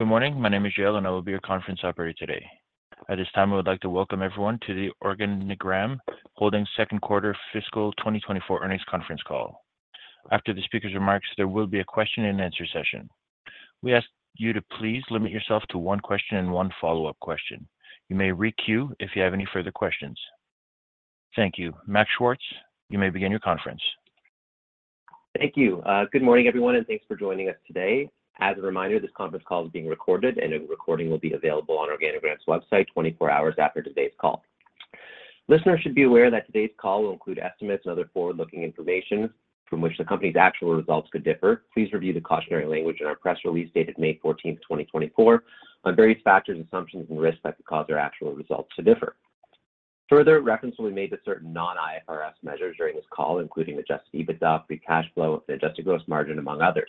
Good morning. My name is Jill, and I will be your conference operator today. At this time, I would like to welcome everyone to the Organigram Holdings Second Quarter Fiscal 2024 Earnings Conference Call. After the speaker's remarks, there will be a question-and-answer session. We ask you to please limit yourself to one question and one follow-up question. You may re-queue if you have any further questions. Thank you. Max Schwartz, you may begin your conference. Thank you. Good morning, everyone, and thanks for joining us today. As a reminder, this conference call is being recorded, and a recording will be available on Organigram's website 24 hours after today's call. Listeners should be aware that today's call will include estimates and other forward-looking information from which the company's actual results could differ. Please review the cautionary language in our press release, dated May 14, 2024, on various factors, assumptions, and risks that could cause our actual results to differ. Further, reference will be made to certain non-IFRS measures during this call, including adjusted EBITDA, free cash flow, and adjusted gross margin, among others.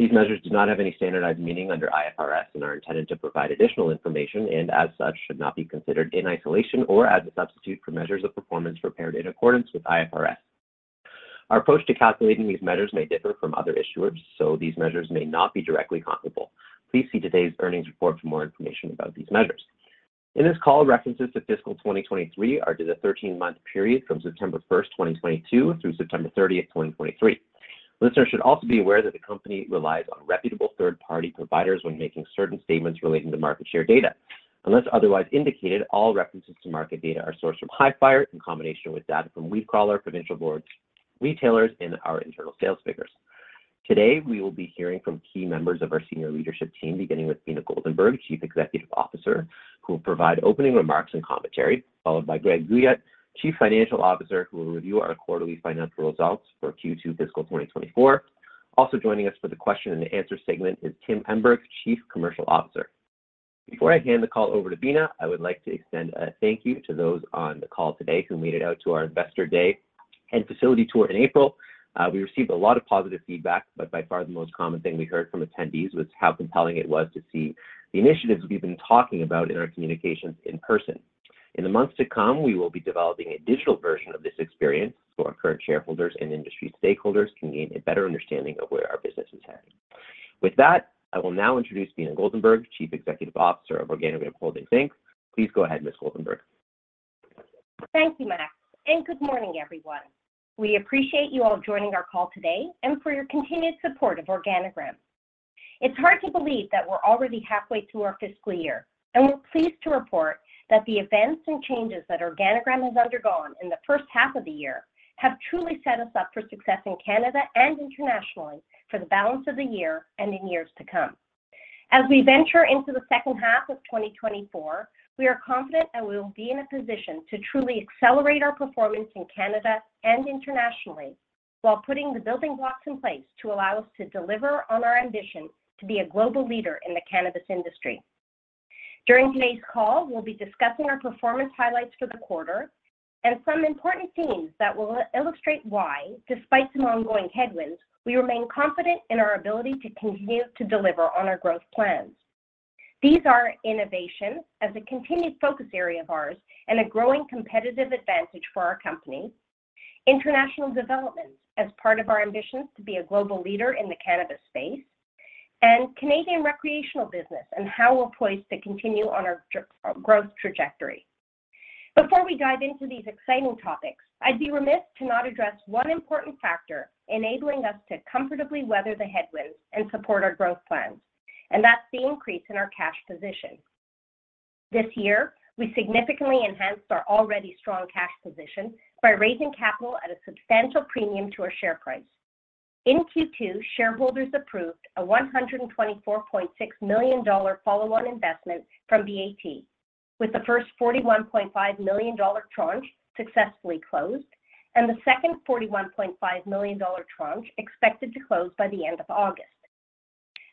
These measures do not have any standardized meaning under IFRS and are intended to provide additional information, and as such, should not be considered in isolation or as a substitute for measures of performance prepared in accordance with IFRS. Our approach to calculating these measures may differ from other issuers, so these measures may not be directly comparable. Please see today's earnings report for more information about these measures. In this call, references to fiscal 2023 are to the 13-month period from September 1st, 2022, through September 30th, 2023. Listeners should also be aware that the company relies on reputable third-party providers when making certain statements relating to market share data. Unless otherwise indicated, all references to market data are sourced from HiFyre in combination with data from WeedCrawler, provincial board retailers, and our internal sales figures. Today, we will be hearing from key members of our senior leadership team, beginning with Beena Goldenberg, Chief Executive Officer, who will provide opening remarks and commentary, followed by Greg Guyatt, Chief Financial Officer, who will review our quarterly financial results for Q2 fiscal 2024. Also joining us for the question and answer segment is Tim Emberg, Chief Commercial Officer. Before I hand the call over to Beena, I would like to extend a thank you to those on the call today who made it out to our Investor Day and facility tour in April. We received a lot of positive feedback, but by far the most common thing we heard from attendees was how compelling it was to see the initiatives we've been talking about in our communications in person. In the months to come, we will be developing a digital version of this experience, so our current shareholders and industry stakeholders can gain a better understanding of where our business is headed. With that, I will now introduce Beena Goldenberg, Chief Executive Officer of Organigram Holdings Inc. Please go ahead, Ms. Goldenberg. Thank you, Max, and good morning, everyone. We appreciate you all joining our call today and for your continued support of Organigram. It's hard to believe that we're already halfway through our fiscal year, and we're pleased to report that the events and changes that Organigram has undergone in the first half of the year have truly set us up for success in Canada and internationally for the balance of the year and in years to come. As we venture into the second half of 2024, we are confident that we will be in a position to truly accelerate our performance in Canada and internationally, while putting the building blocks in place to allow us to deliver on our ambition to be a global leader in the cannabis industry. During today's call, we'll be discussing our performance highlights for the quarter and some important themes that will illustrate why, despite some ongoing headwinds, we remain confident in our ability to continue to deliver on our growth plans. These are innovation as a continued focus area of ours and a growing competitive advantage for our company, international development as part of our ambitions to be a global leader in the cannabis space, and Canadian recreational business and how we're poised to continue on our growth trajectory. Before we dive into these exciting topics, I'd be remiss to not address one important factor enabling us to comfortably weather the headwinds and support our growth plans, and that's the increase in our cash position. This year, we significantly enhanced our already strong cash position by raising capital at a substantial premium to our share price. In Q2, shareholders approved a CAD 124.6 million follow-on investment from BAT, with the first CAD 41.5 million tranche successfully closed and the second CAD 41.5 million tranche expected to close by the end of August.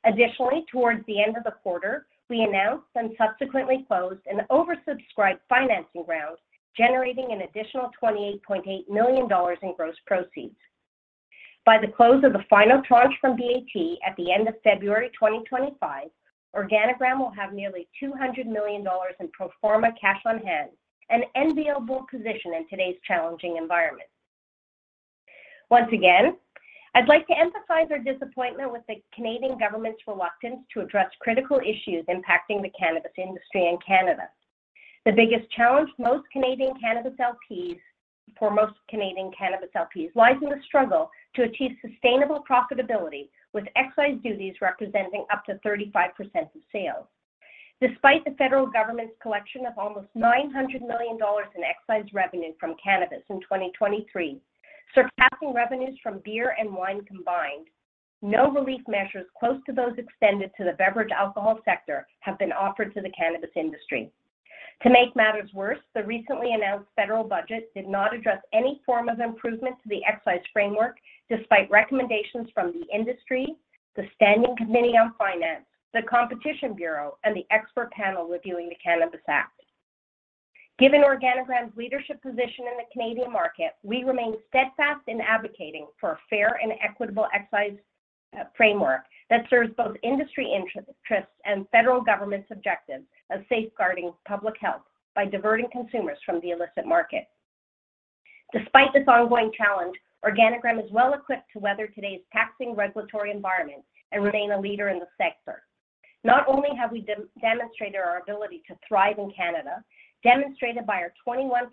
Additionally, towards the end of the quarter, we announced and subsequently closed an oversubscribed financing round, generating an additional 28.8 million dollars in gross proceeds. By the close of the final tranche from BAT at the end of February 2025, Organigram will have nearly 200 million dollars in pro forma cash on hand, an enviable position in today's challenging environment. Once again, I'd like to emphasize our disappointment with the Canadian government's reluctance to address critical issues impacting the cannabis industry in Canada. The biggest challenge most Canadian cannabis LPs, for most Canadian cannabis LPs, lies in the struggle to achieve sustainable profitability, with excise duties representing up to 35% of sales. Despite the federal government's collection of almost 900 million dollars in excise revenue from cannabis in 2023, surpassing revenues from beer and wine combined, no relief measures close to those extended to the beverage alcohol sector have been offered to the cannabis industry. To make matters worse, the recently announced federal budget did not address any form of improvement to the excise framework, despite recommendations from the industry, the Standing Committee on Finance, the Competition Bureau, and the expert panel reviewing the Cannabis Act. Given Organigram's leadership position in the Canadian market, we remain steadfast in advocating for a fair and equitable excise framework that serves both industry interests and federal government's objectives of safeguarding public health by diverting consumers from the illicit market. Despite this ongoing challenge, Organigram is well-equipped to weather today's taxing regulatory environment and remain a leader in the sector. Not only have we demonstrated our ability to thrive in Canada, demonstrated by our 21%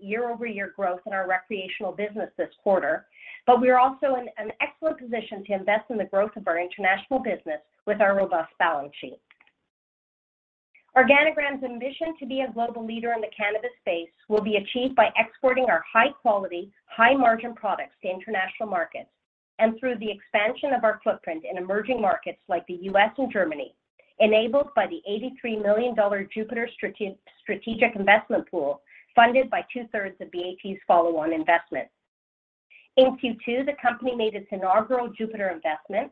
year-over-year growth in our recreational business this quarter, but we are also in an excellent position to invest in the growth of our international business with our robust balance sheet. Organigram's ambition to be a global leader in the cannabis space will be achieved by exporting our high-quality, high-margin products to international markets, and through the expansion of our footprint in emerging markets like the U.S. and Germany, enabled by the $83 million Jupiter strategic investment pool, funded by two-thirds of BAT's follow-on investment. In Q2, the company made its inaugural Jupiter investment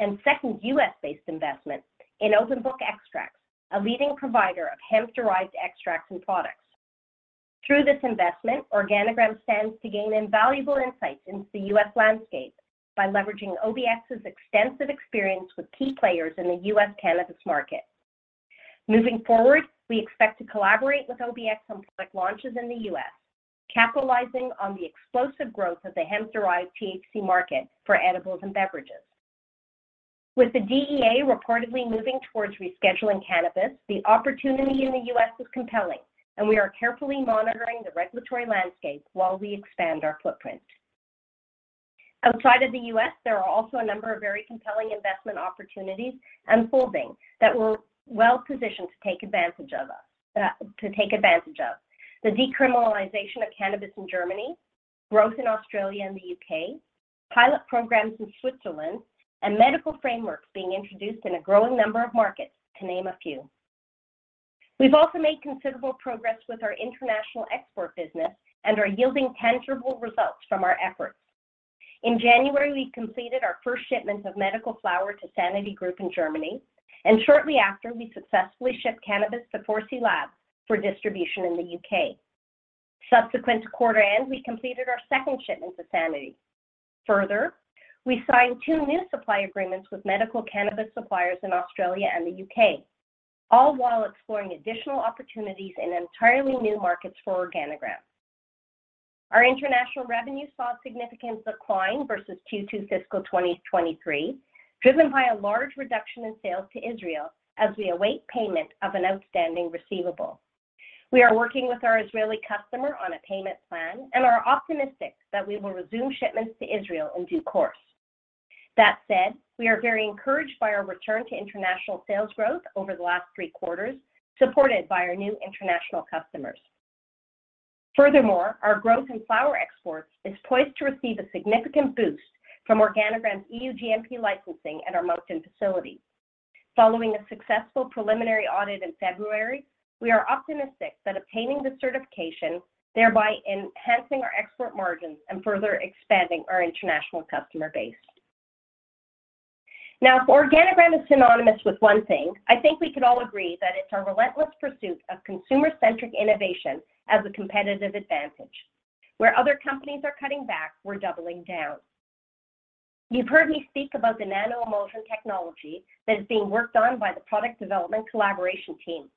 and second U.S.-based investment in Open Book Extracts, a leading provider of hemp-derived extracts and products. Through this investment, Organigram stands to gain invaluable insights into the U.S. landscape by leveraging OBX's extensive experience with key players in the U.S. cannabis market. Moving forward, we expect to collaborate with OBX on product launches in the U.S., capitalizing on the explosive growth of the hemp-derived THC market for edibles and beverages. With the DEA reportedly moving towards rescheduling cannabis, the opportunity in the U.S. is compelling, and we are carefully monitoring the regulatory landscape while we expand our footprint. Outside of the U.S., there are also a number of very compelling investment opportunities unfolding that we're well-positioned to take advantage of us, to take advantage of. The decriminalization of cannabis in Germany, growth in Australia and the U.K., pilot programs in Switzerland, and medical frameworks being introduced in a growing number of markets, to name a few. We've also made considerable progress with our international export business and are yielding tangible results from our efforts. In January, we completed our first shipment of medical flower to Sanity Group in Germany, and shortly after, we successfully shipped cannabis to 4C Labs for distribution in the U.K. Subsequent to quarter end, we completed our second shipment to Sanity. Further, we signed two new supply agreements with medical cannabis suppliers in Australia and the U.K., all while exploring additional opportunities in entirely new markets for Organigram. Our international revenue saw a significant decline versus Q2 fiscal 2023, driven by a large reduction in sales to Israel as we await payment of an outstanding receivable. We are working with our Israeli customer on a payment plan and are optimistic that we will resume shipments to Israel in due course. That said, we are very encouraged by our return to international sales growth over the last three quarters, supported by our new international customers. Furthermore, our growth in flower exports is poised to receive a significant boost from Organigram's EU GMP licensing at our Moncton facility. Following a successful preliminary audit in February, we are optimistic that obtaining the certification, thereby enhancing our export margins and further expanding our international customer base. Now, if Organigram is synonymous with one thing, I think we could all agree that it's our relentless pursuit of consumer-centric innovation as a competitive advantage. Where other companies are cutting back, we're doubling down. You've heard me speak about the nano-emulsion technology that is being worked on by the Product Development Collaboration team.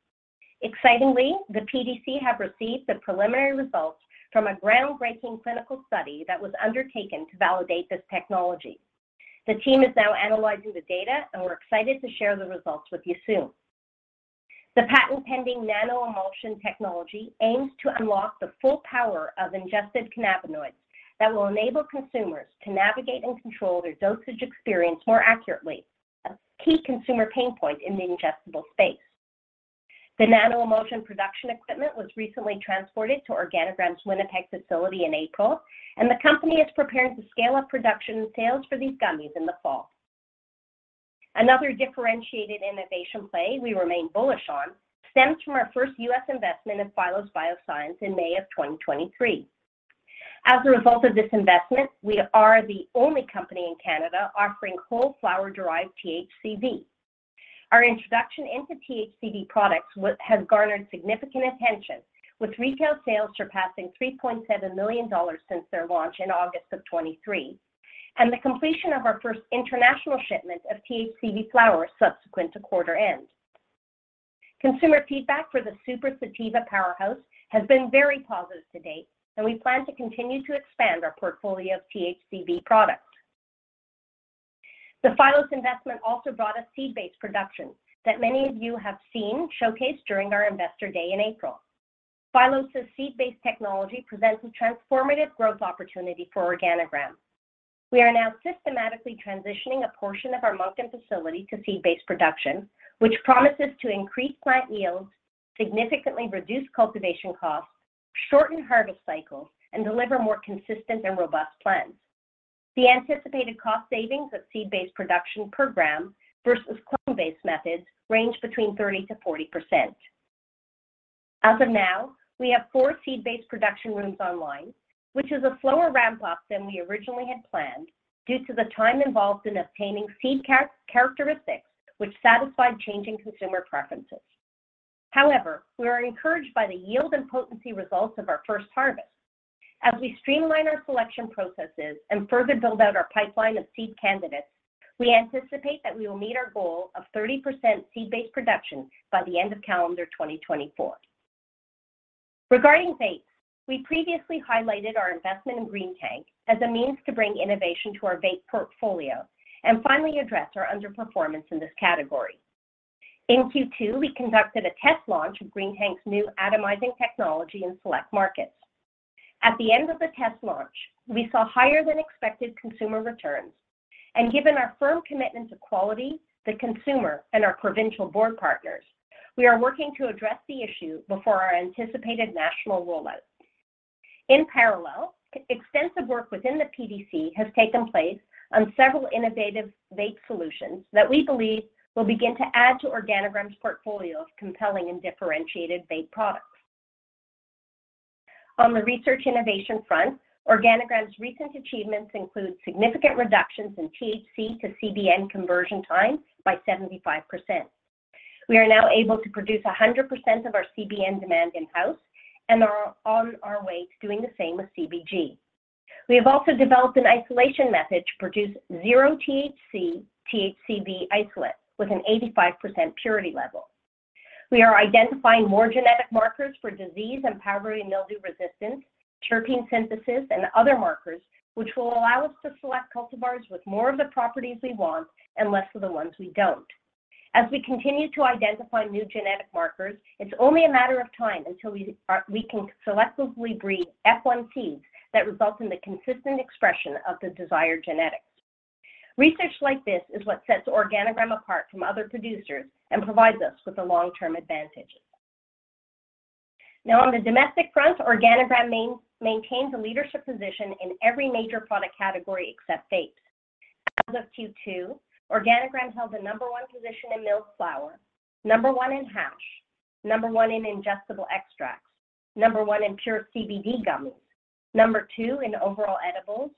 Excitingly, the PDC have received the preliminary results from a groundbreaking clinical study that was undertaken to validate this technology. The team is now analyzing the data, and we're excited to share the results with you soon. The patent-pending nano-emulsion technology aims to unlock the full power of ingested cannabinoids that will enable consumers to navigate and control their dosage experience more accurately, a key consumer pain point in the ingestible space. The nano-emulsion production equipment was recently transported to Organigram's Winnipeg facility in April, and the company is preparing to scale up production and sales for these gummies in the fall. Another differentiated innovation play we remain bullish on stems from our first U.S. investment in Phylos Bioscience in May 2023. As a result of this investment, we are the only company in Canada offering whole flower-derived THCV. Our introduction into THCV products has garnered significant attention, with retail sales surpassing 3.7 million dollars since their launch in August 2023, and the completion of our first international shipment of THCV flower subsequent to quarter end. Consumer feedback for the Super Sativa powerhouse has been very positive to date, and we plan to continue to expand our portfolio of THCV products. The Phylos investment also brought us seed-based production that many of you have seen showcased during our Investor Day in April. Phylos' seed-based technology presents a transformative growth opportunity for Organigram. We are now systematically transitioning a portion of our Moncton facility to seed-based production, which promises to increase plant yields, significantly reduce cultivation costs, shorten harvest cycles, and deliver more consistent and robust plants. The anticipated cost savings of seed-based production per gram versus clone-based methods range between 30%-40%. As of now, we have four seed-based production rooms online, which is a slower ramp-up than we originally had planned, due to the time involved in obtaining seed characteristics which satisfied changing consumer preferences. However, we are encouraged by the yield and potency results of our first harvest. As we streamline our selection processes and further build out our pipeline of seed candidates, we anticipate that we will meet our goal of 30% seed-based production by the end of calendar 2024. Regarding vapes, we previously highlighted our investment in Greentank as a means to bring innovation to our vape portfolio and finally address our underperformance in this category. In Q2, we conducted a test launch of Greentank's new atomizing technology in select markets. At the end of the test launch, we saw higher-than-expected consumer returns, and given our firm commitment to quality, the consumer, and our provincial board partners, we are working to address the issue before our anticipated national rollout. In parallel, extensive work within the PDC has taken place on several innovative vape solutions that we believe will begin to add to Organigram's portfolio of compelling and differentiated vape products. On the research innovation front, Organigram's recent achievements include significant reductions in THC to CBN conversion time by 75%. We are now able to produce 100% of our CBN demand in-house and are on our way to doing the same with CBG. We have also developed an isolation method to produce zero THC, THCV isolate with an 85% purity level. We are identifying more genetic markers for disease and powdery mildew resistance, terpene synthesis, and other markers, which will allow us to select cultivars with more of the properties we want and less of the ones we don't. As we continue to identify new genetic markers, it's only a matter of time until we can selectively breed F1 seeds that result in the consistent expression of the desired genetics. Research like this is what sets Organigram apart from other producers and provides us with a long-term advantage. Now, on the domestic front, Organigram maintains a leadership position in every major product category except vapes. As of Q2, Organigram held the number 1 position in milled flower, number 1 in hash, number 1 in ingestible extracts, number 1 in pure CBD gummies, number 2 in overall edibles,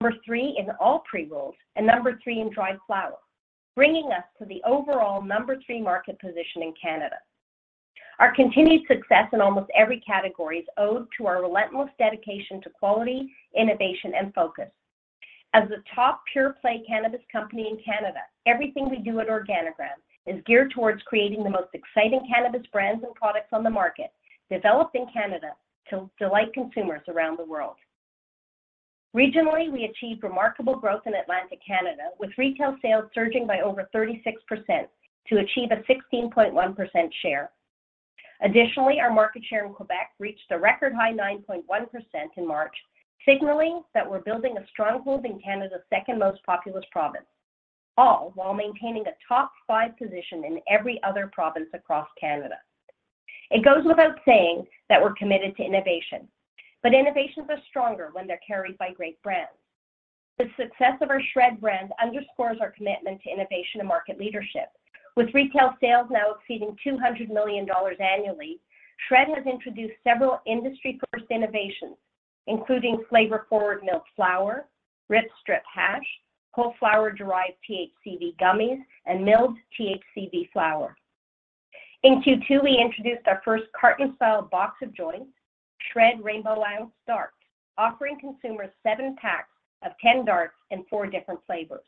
number 2 in infused pre-rolls, number 3 in all pre-rolls, and number 3 in dried flower, bringing us to the overall number 3 market position in Canada. Our continued success in almost every category is owed to our relentless dedication to quality, innovation, and focus. As the top pure-play cannabis company in Canada, everything we do at Organigram is geared towards creating the most exciting cannabis brands and products on the market, developed in Canada to delight consumers around the world. Regionally, we achieved remarkable growth in Atlantic Canada, with retail sales surging by over 36% to achieve a 16.1% share. Additionally, our market share in Quebec reached a record-high 9.1% in March, signaling that we're building a stronghold in Canada's second most populous province, all while maintaining a top five position in every other province across Canada. It goes without saying that we're committed to innovation, but innovations are stronger when they're carried by great brands. The success of our SHRED brand underscores our commitment to innovation and market leadership. With retail sales now exceeding 200 million dollars annually, SHRED has introduced several industry-first innovations, including flavor-forward milled flower, Rip-Strip hash, whole flower-derived THCV gummies, and milled THCV flower. In Q2, we introduced our first carton-style box of joints, SHRED Dartz, offering consumers seven packs of 10 darts and four different flavors.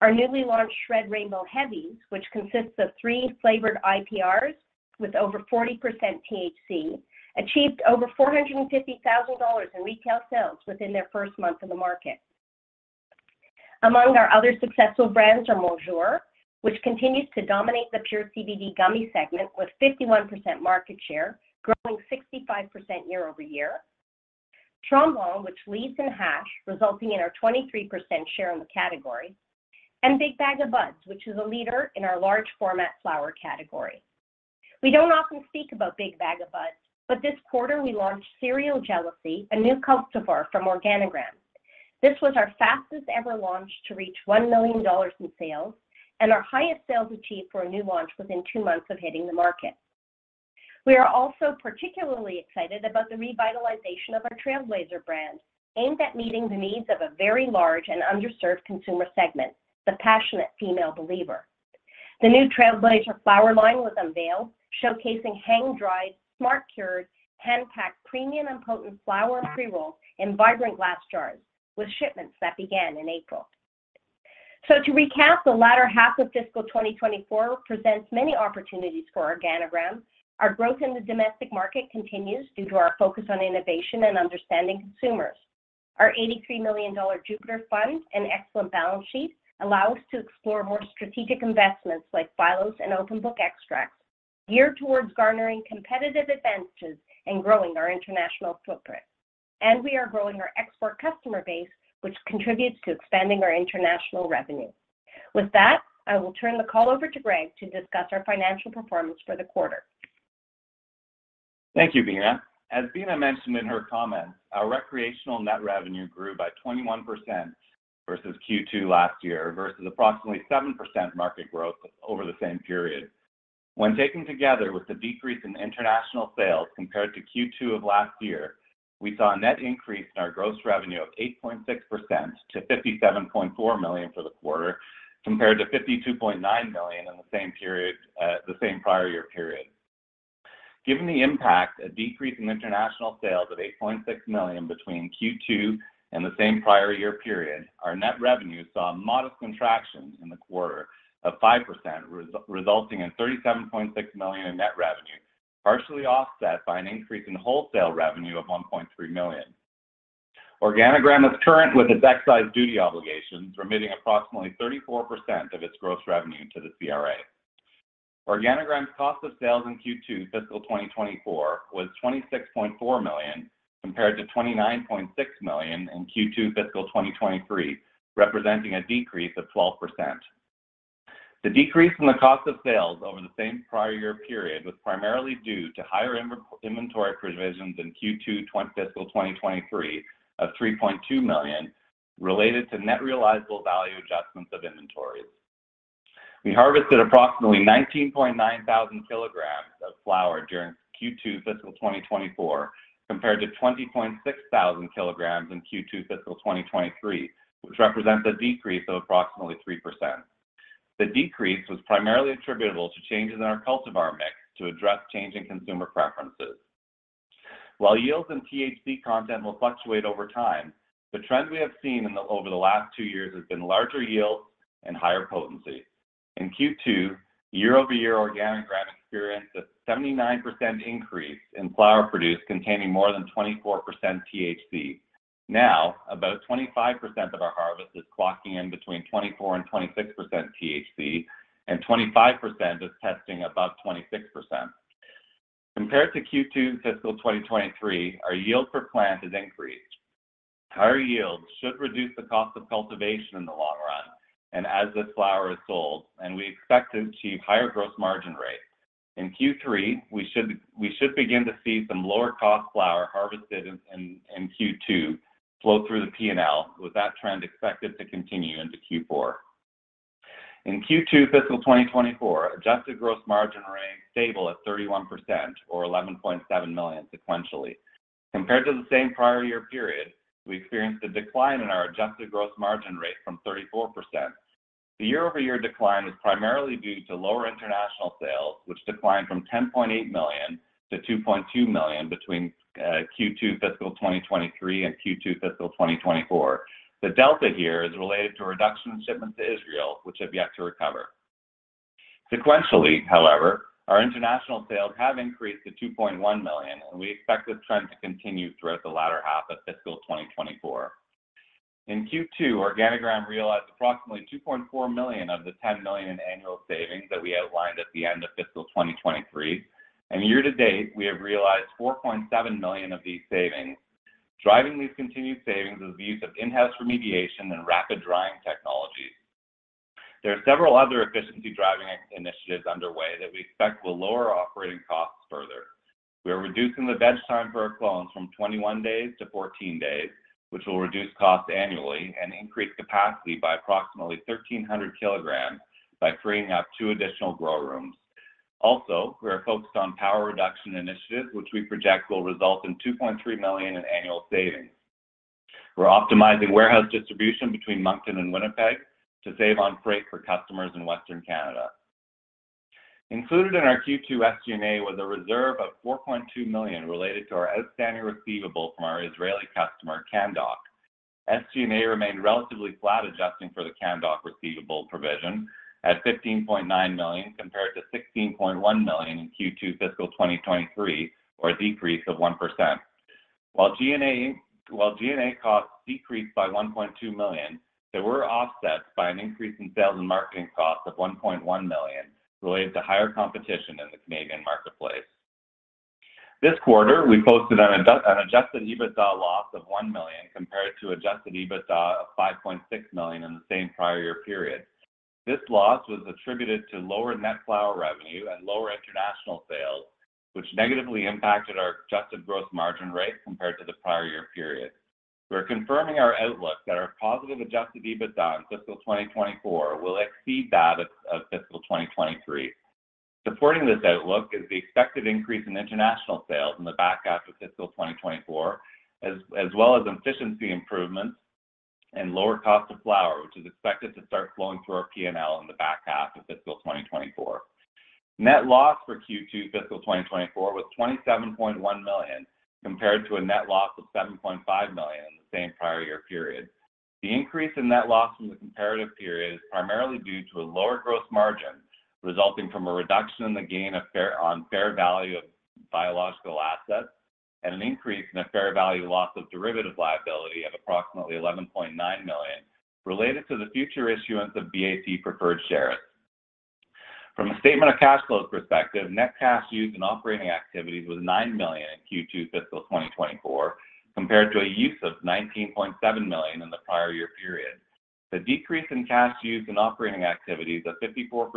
Our newly launched SHRED Rainbow Heavies, which consists of three flavored IPRs with over 40% THC, achieved over 450,000 dollars in retail sales within their first month in the market. Among our other successful brands are Monjour, which continues to dominate the pure CBD gummy segment with 51% market share, growing 65% year-over-year. Tremblant, which leads in hash, resulting in our 23% share in the category, and Big Bag O'Buds, which is a leader in our large format flower category. We don't often speak about Big Bag O'Buds, but this quarter we launched Serial Jealousy, a new cultivar from Organigram. This was our fastest-ever launch to reach 1 million dollars in sales and our highest sales achieved for a new launch within two months of hitting the market. We are also particularly excited about the revitalization of our Trailblazer brand, aimed at meeting the needs of a very large and underserved consumer segment, the passionate female believer. The new Trailblazer flower line was unveiled, showcasing hang-dried, smart-cured, hand-packed, premium and potent flower and pre-rolls in vibrant glass jars, with shipments that began in April. To recap, the latter half of fiscal 2024 presents many opportunities for Organigram. Our growth in the domestic market continues due to our focus on innovation and understanding consumers. Our 83 million dollar Jupiter fund and excellent balance sheet allow us to explore more strategic investments like Phylos and Open Book Extracts, geared towards garnering competitive advantages and growing our international footprint. And we are growing our export customer base, which contributes to expanding our international revenue. With that, I will turn the call over to Greg to discuss our financial performance for the quarter. Thank you, Beena. As Beena mentioned in her comments, our recreational net revenue grew by 21% versus Q2 last year, versus approximately 7% market growth over the same period. When taken together with the decrease in international sales compared to Q2 of last year, we saw a net increase in our gross revenue of 8.6% to 57.4 million for the quarter, compared to 52.9 million in the same period, the same prior year period. Given the impact, a decrease in international sales of 8.6 million between Q2 and the same prior year period, our net revenue saw a modest contraction in the quarter of 5%, resulting in 37.6 million in net revenue, partially offset by an increase in wholesale revenue of 1.3 million. Organigram is current with its excise duty obligations, remitting approximately 34% of its gross revenue to the CRA. Organigram's cost of sales in Q2 fiscal 2024 was 26.4 million, compared to 29.6 million in Q2 fiscal 2023, representing a decrease of 12%. The decrease in the cost of sales over the same prior year period was primarily due to higher inventory provisions in Q2 fiscal 2023 of 3.2 million, related to net realizable value adjustments of inventories. We harvested approximately 19,900 kg of flower during Q2 fiscal 2024, compared to 20,600 kg in Q2 fiscal 2023, which represents a decrease of approximately 3%. The decrease was primarily attributable to changes in our cultivar mix to address changing consumer preferences. While yields in THC content will fluctuate over time, the trend we have seen over the last two years has been larger yields and higher potency. In Q2, year-over-year, Organigram experienced a 79% increase in flower produced containing more than 24% THC. Now, about 25% of our harvest is clocking in between 24%-26% THC, and 25% is testing above 26%. Compared to Q2 fiscal 2023, our yield per plant has increased. Higher yields should reduce the cost of cultivation in the long run, and as this flower is sold, and we expect to achieve higher gross margin rates. In Q3, we should begin to see some lower-cost flower harvested in Q2 flow through the P&L, with that trend expected to continue into Q4. In Q2 fiscal 2024, adjusted gross margin remained stable at 31%, or 11.7 million sequentially. Compared to the same prior year period, we experienced a decline in our adjusted gross margin rate from 34%. The year-over-year decline is primarily due to lower international sales, which declined from 10.8 million to 2.2 million between Q2 fiscal 2023 and Q2 fiscal 2024. The delta here is related to a reduction in shipments to Israel, which have yet to recover. Sequentially, however, our international sales have increased to 2.1 million, and we expect this trend to continue throughout the latter half of fiscal 2024. In Q2, Organigram realized approximately 2.4 million of the 10 million in annual savings that we outlined at the end of fiscal 2023, and year to date, we have realized 4.7 million of these savings. Driving these continued savings is the use of in-house remediation and rapid drying technologies. There are several other efficiency-driving initiatives underway that we expect will lower operating costs further. We are reducing the veg time for our clones from 21 days to 14 days, which will reduce costs annually and increase capacity by approximately 1,300 kg by freeing up two additional grow rooms. Also, we are focused on power reduction initiatives, which we project will result in 2.3 million in annual savings. We're optimizing warehouse distribution between Moncton and Winnipeg to save on freight for customers in Western Canada. Included in our Q2 SG&A was a reserve of 4.2 million related to our outstanding receivable from our Israeli customer, Canndoc. SG&A remained relatively flat, adjusting for the Canndoc receivable provision, at 15.9 million, compared to 16.1 million in Q2 fiscal 2023, or a decrease of 1%. While G&A costs decreased by 1.2 million, they were offset by an increase in sales and marketing costs of 1.1 million, related to higher competition in the Canadian marketplace. This quarter, we posted an adjusted EBITDA loss of 1 million, compared to adjusted EBITDA of 5.6 million in the same prior year period. This loss was attributed to lower net flower revenue and lower international sales, which negatively impacted our adjusted gross margin rate compared to the prior year period. We're confirming our outlook that our positive adjusted EBITDA in fiscal 2024 will exceed that of fiscal 2023. Supporting this outlook is the expected increase in international sales in the back half of fiscal 2024, as well as efficiency improvements and lower cost of flower, which is expected to start flowing through our P&L in the back half of fiscal 2024. Net loss for Q2 fiscal 2024 was 27.1 million, compared to a net loss of 7.5 million in the same prior year period. The increase in net loss from the comparative period is primarily due to a lower gross margin, resulting from a reduction in the gain on fair value of biological assets, and an increase in the fair value loss of derivative liability of approximately 11.9 million, related to the future issuance of BAT preferred shares. From a statement of cash flows perspective, net cash used in operating activities was 9 million in Q2 fiscal 2024, compared to a use of 19.7 million in the prior year period. The decrease in cash used in operating activities of 54%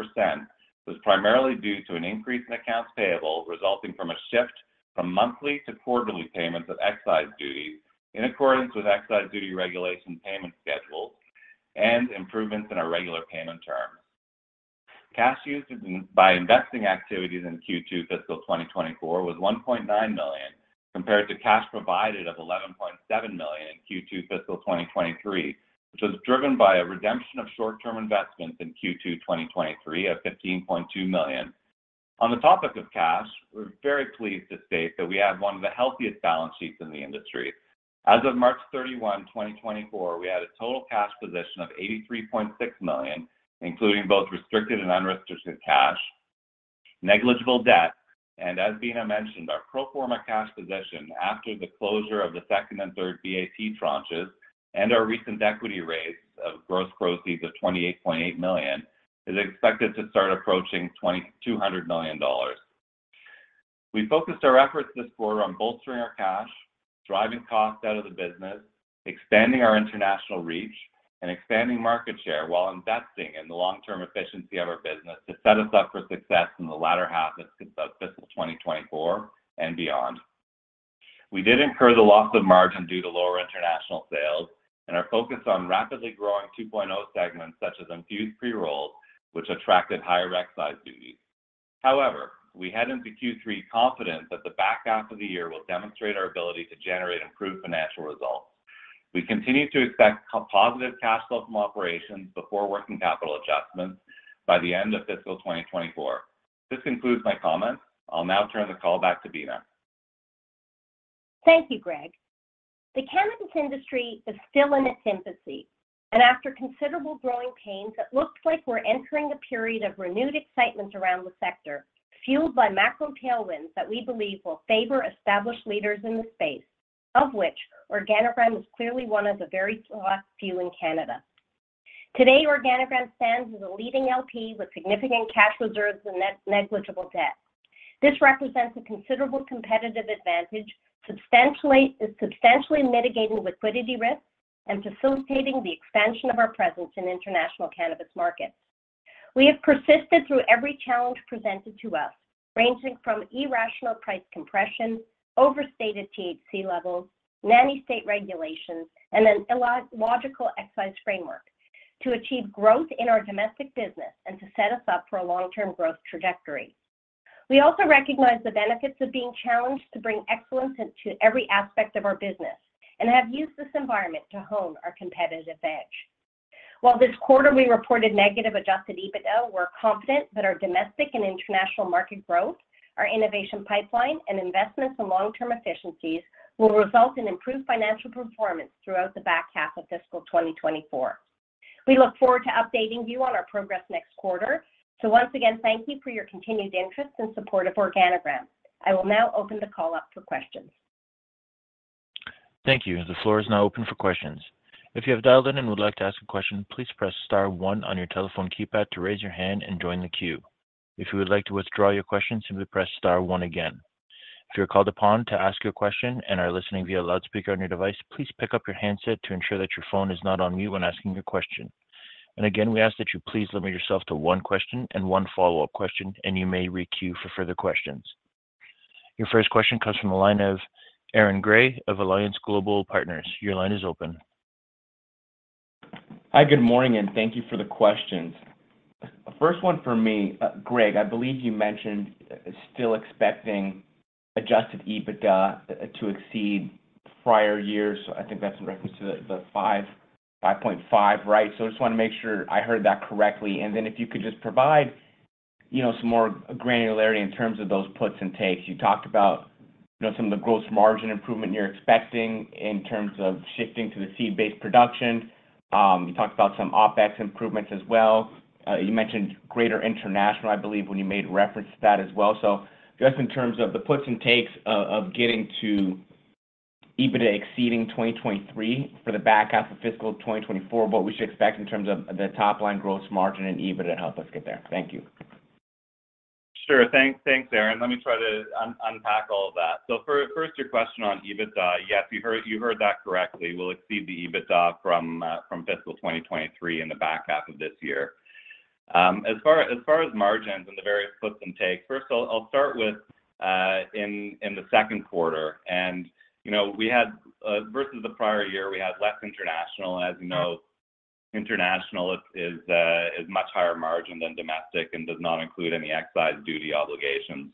was primarily due to an increase in accounts payable, resulting from a shift from monthly to quarterly payments of excise duties in accordance with excise duty regulation payment schedules and improvements in our regular payment terms. Cash used in investing activities in Q2 fiscal 2024 was 1.9 million compared to cash provided of 11.7 million in Q2 fiscal 2023, which was driven by a redemption of short-term investments in Q2 2023 of 15.2 million. On the topic of cash, we're very pleased to state that we have one of the healthiest balance sheets in the industry. As of March 31, 2024, we had a total cash position of 83.6 million, including both restricted and unrestricted cash, negligible debt, and as Beena mentioned, our pro forma cash position after the closure of the second and third BAT tranches and our recent equity raise of gross proceeds of 28.8 million, is expected to start approaching 200 million dollars. We focused our efforts this quarter on bolstering our cash, driving costs out of the business, expanding our international reach, and expanding market share, while investing in the long-term efficiency of our business to set us up for success in the latter half of fiscal 2024 and beyond. We did incur the loss of margin due to lower international sales and are focused on rapidly growing 2.0 segments, such as infused pre-rolls, which attracted higher excise duties. However, we head into Q3 confident that the back half of the year will demonstrate our ability to generate improved financial results. We continue to expect positive cash flow from operations before working capital adjustments by the end of fiscal 2024. This concludes my comments. I'll now turn the call back to Beena. Thank you, Greg. The cannabis industry is still in its infancy, and after considerable growing pains, it looks like we're entering a period of renewed excitement around the sector, fueled by macro tailwinds that we believe will favor established leaders in the space, of which Organigram is clearly one of the very last few in Canada. Today, Organigram stands as a leading LP with significant cash reserves and net negligible debt. This represents a considerable competitive advantage, substantially, substantially mitigating liquidity risk and facilitating the expansion of our presence in international cannabis markets. We have persisted through every challenge presented to us, ranging from irrational price compression, overstated THC levels, nanny state regulations, and an illogical excise framework to achieve growth in our domestic business and to set us up for a long-term growth trajectory. We also recognize the benefits of being challenged to bring excellence into every aspect of our business and have used this environment to hone our competitive edge. While this quarter we reported negative Adjusted EBITDA, we're confident that our domestic and international market growth, our innovation pipeline, and investments in long-term efficiencies will result in improved financial performance throughout the back half of fiscal 2024. We look forward to updating you on our progress next quarter. So once again, thank you for your continued interest and support of Organigram. I will now open the call up for questions. Thank you. The floor is now open for questions. If you have dialed in and would like to ask a question, please press star one on your telephone keypad to raise your hand and join the queue. If you would like to withdraw your question, simply press star one again. If you're called upon to ask your question and are listening via loudspeaker on your device, please pick up your handset to ensure that your phone is not on mute when asking your question. And again, we ask that you please limit yourself to one question and one follow-up question, and you may re-queue for further questions. Your first question comes from the line of Aaron Gray of Alliance Global Partners. Your line is open. Hi, good morning, and thank you for the questions. First one for me. Greg, I believe you mentioned still expecting Adjusted EBITDA to exceed prior years. I think that's in reference to the 5.5, right? So I just want to make sure I heard that correctly. And then if you could just provide, you know, some more granularity in terms of those puts and takes. You talked about, you know, some of the gross margin improvement you're expecting in terms of shifting to the seed-based production. You talked about some OpEx improvements as well. You mentioned greater international, I believe, when you made reference to that as well. So just in terms of the puts and takes of getting to EBITDA exceeding 2023 for the back half of fiscal 2024, what we should expect in terms of the top-line gross margin and EBITDA to help us get there? Thank you. Sure. Thanks, thanks, Aaron. Let me try to unpack all of that. So first, your question on EBITDA. Yes, you heard, you heard that correctly. We'll exceed the EBITDA from fiscal 2023 in the back half of this year. As far, as far as margins and the various puts and takes, first I'll, I'll start with in the second quarter. And, you know, we had versus the prior year, we had less international. As you know, international is much higher margin than domestic and does not include any excise duty obligations.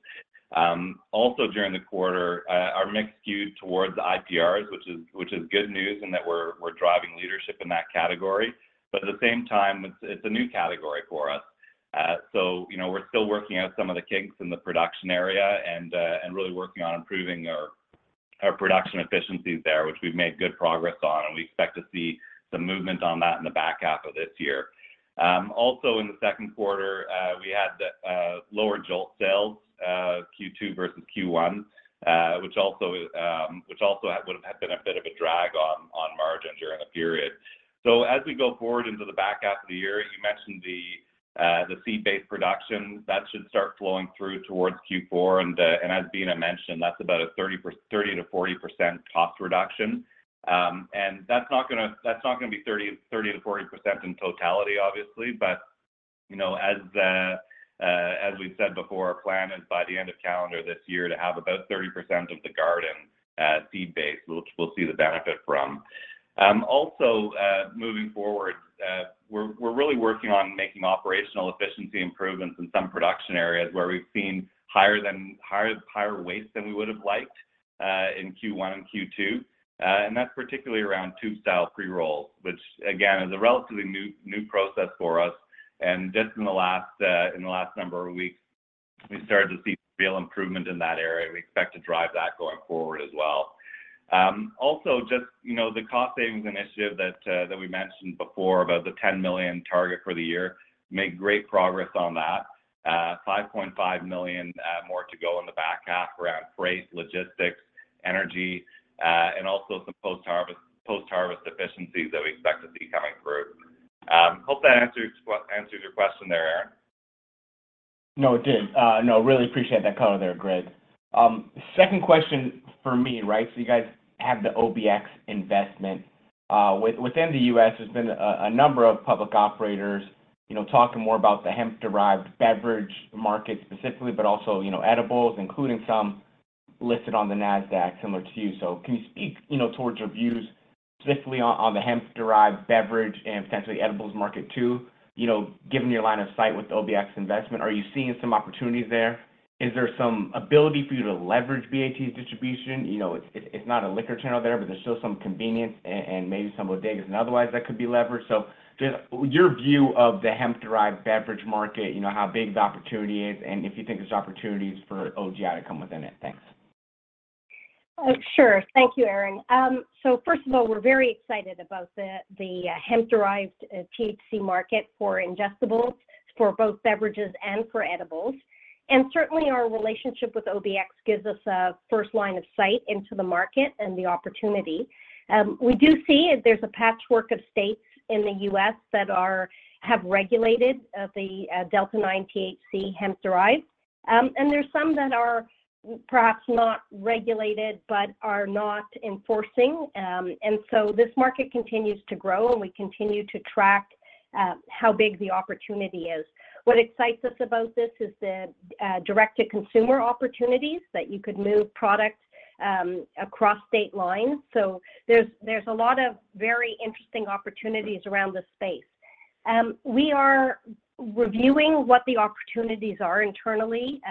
Also during the quarter, our mix skewed towards IPRs, which is, which is good news and that we're, we're driving leadership in that category. But at the same time, it's a new category for us. So you know, we're still working out some of the kinks in the production area and really working on improving our production efficiencies there, which we've made good progress on, and we expect to see some movement on that in the back half of this year. Also in the second quarter, we had the lower jolt sales, Q2 versus Q1, which also would have been a bit of a drag on margins during the period. So as we go forward into the back half of the year, you mentioned the seed-based production. That should start flowing through towards Q4. And as Beena mentioned, that's about a 30%-40% cost reduction. And that's not gonna be 30%-40% in totality, obviously. But you know, as we've said before, our plan is by the end of calendar this year to have about 30% of the garden at seed-based, which we'll see the benefit from. Also, moving forward, we're really working on making operational efficiency improvements in some production areas where we've seen higher waste than we would have liked in Q1 and Q2. And that's particularly around tube style pre-rolls, which again, is a relatively new process for us, and just in the last number of weeks, we started to see real improvement in that area. We expect to drive that going forward as well. Also just, you know, the cost savings initiative that we mentioned before, about the 10 million target for the year, made great progress on that. 5.5 million more to go in the back half around freight, logistics, energy, and also some post-harvest efficiencies that we expect to see coming through. Hope that answers your question there, Aaron. No, it did. No, really appreciate that color there, Greg. Second question for me, right? So you guys have the OBX investment. Within the U.S., there's been a number of public operators, you know, talking more about the hemp-derived beverage market specifically, but also, you know, edibles, including some listed on the Nasdaq, similar to you. So can you speak, you know, towards your views specifically on, on the hemp-derived beverage and potentially edibles market too? You know, given your line of sight with the OBX investment, are you seeing some opportunities there? Is there some ability for you to leverage BAT's distribution? You know, it's, it's not a liquor channel there, but there's still some convenience and, and maybe some bodegas and otherwise that could be leveraged. So just your view of the hemp-derived beverage market, you know, how big the opportunity is, and if you think there's opportunities for OGI to come within it? Thanks. Sure. Thank you, Aaron. So first of all, we're very excited about the hemp-derived THC market for ingestibles, for both beverages and for edibles. And certainly, our relationship with OBX gives us a first line of sight into the market and the opportunity. We do see there's a patchwork of states in the U.S. that have regulated the Delta-9 THC hemp-derived. And there's some that are perhaps not regulated, but are not enforcing. And so this market continues to grow, and we continue to track how big the opportunity is. What excites us about this is the direct-to-consumer opportunities, that you could move products across state lines. So there's a lot of very interesting opportunities around this space. We are reviewing what the opportunities are internally.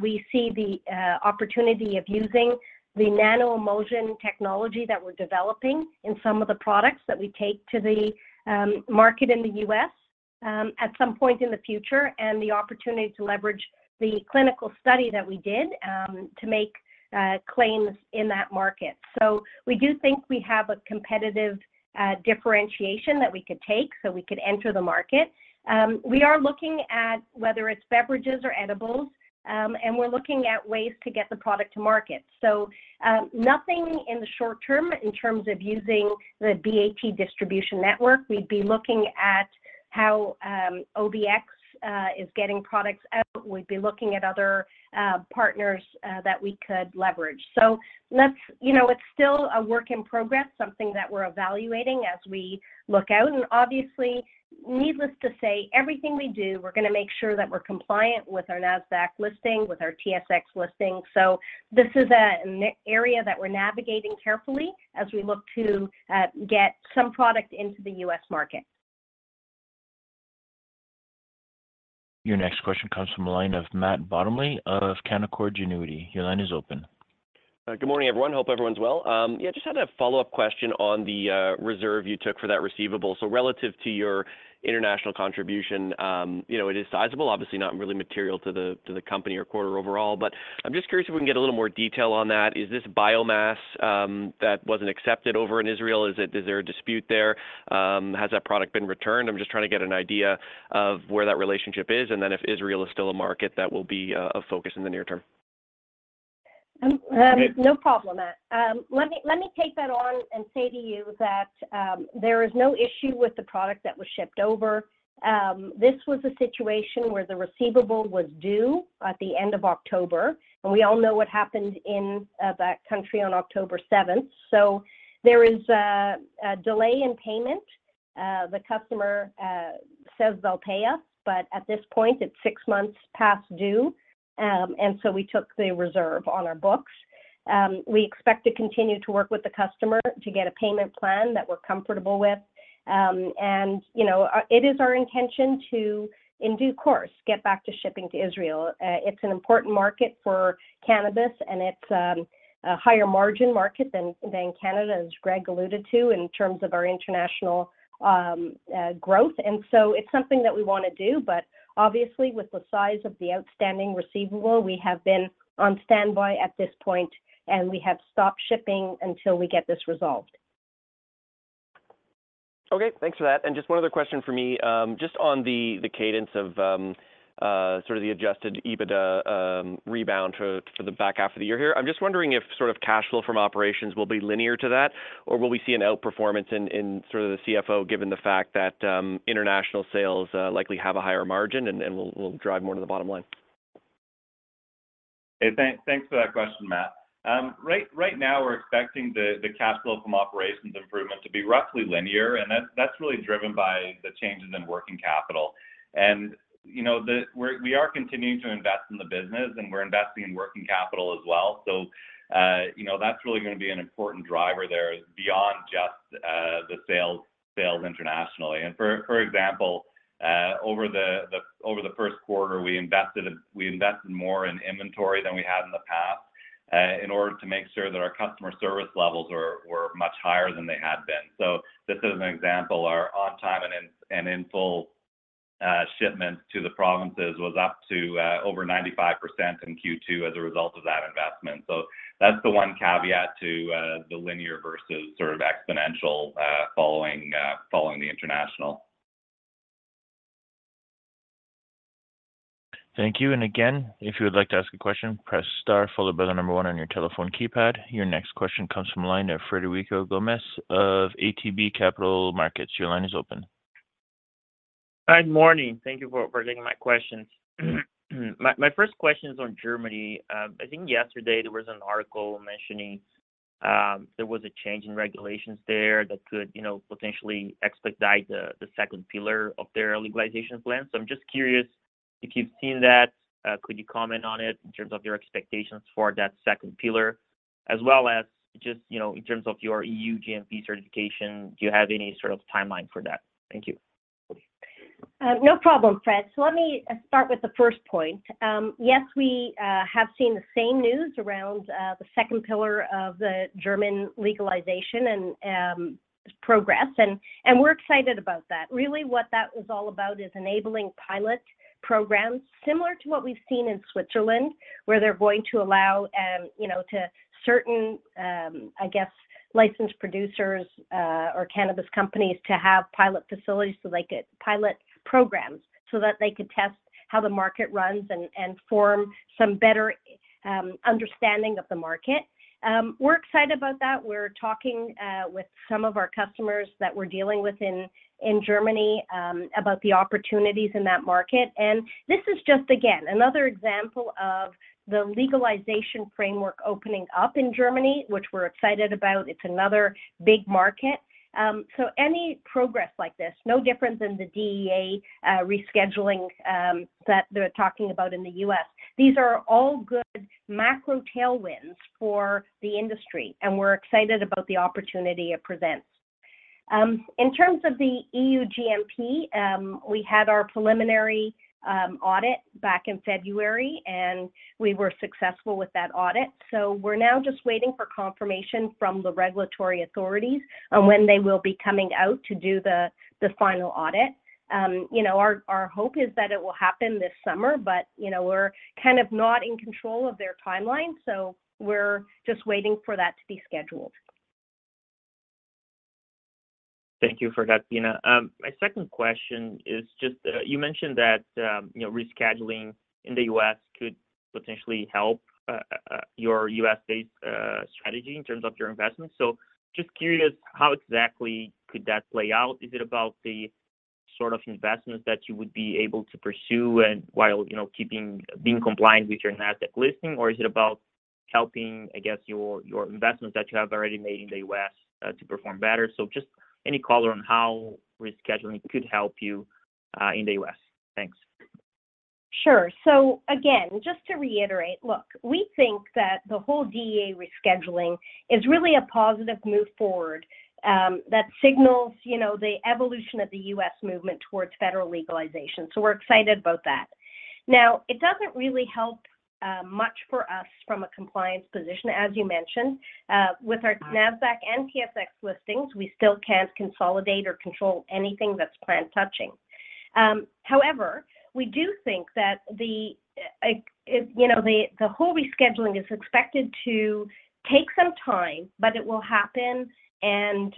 We see the opportunity of using the nano-emulsion technology that we're developing in some of the products that we take to the market in the U.S., at some point in the future, and the opportunity to leverage the clinical study that we did to make claims in that market. So we do think we have a competitive differentiation that we could take so we could enter the market. We are looking at whether it's beverages or edibles, and we're looking at ways to get the product to market. So, nothing in the short term in terms of using the BAT distribution network. We'd be looking at how OBX is getting products out. We'd be looking at other partners that we could leverage. So let's... You know, it's still a work in progress, something that we're evaluating as we look out. And obviously, needless to say, everything we do, we're gonna make sure that we're compliant with our Nasdaq listing, with our TSX listing. So this is an area that we're navigating carefully as we look to get some product into the US market. Your next question comes from the line of Matt Bottomley of Canaccord Genuity. Your line is open. Good morning, everyone. Hope everyone's well. Yeah, just had a follow-up question on the reserve you took for that receivable. So relative to your international contribution, you know, it is sizable, obviously, not really material to the company or quarter overall, but I'm just curious if we can get a little more detail on that. Is this biomass that wasn't accepted over in Israel? Is there a dispute there? Has that product been returned? I'm just trying to get an idea of where that relationship is, and then if Israel is still a market that will be a focus in the near term. No problem, Matt. Let me take that on and say to you that there is no issue with the product that was shipped over. This was a situation where the receivable was due at the end of October, and we all know what happened in that country on October seventh. So there is a delay in payment. The customer says they'll pay us, but at this point, it's six months past due. And so we took the reserve on our books. We expect to continue to work with the customer to get a payment plan that we're comfortable with. And, you know, it is our intention to, in due course, get back to shipping to Israel. It's an important market for cannabis, and it's a higher margin market than Canada, as Greg alluded to, in terms of our international growth. And so it's something that we wanna do, but obviously, with the size of the outstanding receivable, we have been on standby at this point, and we have stopped shipping until we get this resolved. Okay, thanks for that. Just one other question for me. Just on the cadence of sort of the adjusted EBITDA rebound to for the back half of the year here. I'm just wondering if sort of cash flow from operations will be linear to that, or will we see an outperformance in sort of the CFO, given the fact that international sales likely have a higher margin and will drive more to the bottom line?... Hey, thanks for that question, Matt. Right now we're expecting the cash flow from operations improvement to be roughly linear, and that's really driven by the changes in working capital. And, you know, we're continuing to invest in the business, and we're investing in working capital as well. So, you know, that's really gonna be an important driver there beyond just the sales internationally. And for example, over the first quarter, we invested in-- we invested more in inventory than we had in the past, in order to make sure that our customer service levels were much higher than they had been. So just as an example, our on time and in and in full shipments to the provinces was up to over 95% in Q2 as a result of that investment. So that's the one caveat to the linear versus sort of exponential following the international. Thank you. And again, if you would like to ask a question, press star followed by the number one on your telephone keypad. Your next question comes from line of Federico Gomes of ATB Capital Markets. Your line is open. Good morning. Thank you for, for taking my questions. My, my first question is on Germany. I think yesterday there was an article mentioning, there was a change in regulations there that could, you know, potentially expedite the, the second pillar of their legalization plan. So I'm just curious if you've seen that. Could you comment on it in terms of your expectations for that second pillar, as well as just, you know, in terms of your EU GMP certification, do you have any sort of timeline for that? Thank you. No problem, Fred. So let me start with the first point. Yes, we have seen the same news around the second pillar of the German legalization and progress, and we're excited about that. Really, what that is all about is enabling pilot programs similar to what we've seen in Switzerland, where they're going to allow, you know, to certain, I guess, licensed producers or cannabis companies to have pilot facilities, so like pilot programs, so that they could test how the market runs and form some better understanding of the market. We're excited about that. We're talking with some of our customers that we're dealing with in Germany about the opportunities in that market. And this is just, again, another example of the legalization framework opening up in Germany, which we're excited about. It's another big market. So any progress like this, no different than the DEA rescheduling that they're talking about in the U.S., these are all good macro tailwinds for the industry, and we're excited about the opportunity it presents. In terms of the EU GMP, we had our preliminary audit back in February, and we were successful with that audit. So we're now just waiting for confirmation from the regulatory authorities on when they will be coming out to do the final audit. You know, our hope is that it will happen this summer, but, you know, we're kind of not in control of their timeline, so we're just waiting for that to be scheduled. Thank you for that, Beena. My second question is just, you mentioned that, you know, rescheduling in the U.S. could potentially help, your U.S.-based, strategy in terms of your investments. So just curious, how exactly could that play out? Is it about the sort of investments that you would be able to pursue and while, you know, keeping, being compliant with your Nasdaq listing, or is it about helping, I guess, your, your investments that you have already made in the U.S., to perform better? So just any color on how rescheduling could help you, in the U.S.? Thanks. Sure. So again, just to reiterate, look, we think that the whole DEA rescheduling is really a positive move forward, that signals, you know, the evolution of the U.S. movement towards federal legalization, so we're excited about that. Now, it doesn't really help much for us from a compliance position, as you mentioned. With our Nasdaq and TSX listings, we still can't consolidate or control anything that's plant-touching. However, we do think that the, like, you know, the whole rescheduling is expected to take some time, but it will happen, and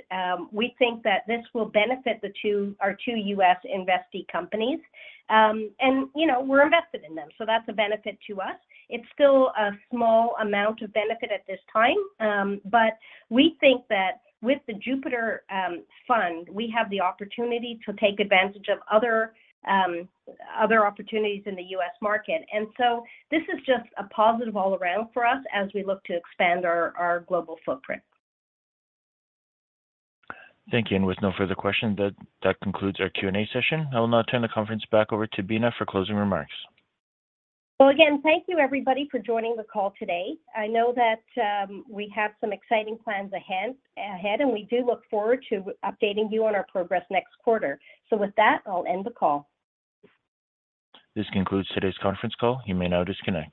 we think that this will benefit the two—our two U.S. investee companies. And, you know, we're invested in them, so that's a benefit to us. It's still a small amount of benefit at this time, but we think that with the Jupiter fund, we have the opportunity to take advantage of other opportunities in the U.S. market. And so this is just a positive all around for us as we look to expand our global footprint. Thank you. With no further questions, that concludes our Q&A session. I will now turn the conference back over to Beena for closing remarks. Well, again, thank you, everybody, for joining the call today. I know that we have some exciting plans ahead, and we do look forward to updating you on our progress next quarter. With that, I'll end the call. This concludes today's conference call. You may now disconnect.